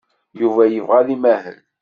Yuba yebɣa ad imahel.